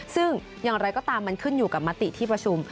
ซึ่งอย่างไรก็ตามมันขึ้นอยู่กับมติที่ประชุม